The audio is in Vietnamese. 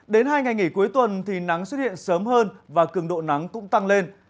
đến hai ngày nghỉ cuối tuần thì nắng xuất hiện sớm hơn và cường độ nắng cũng tăng lên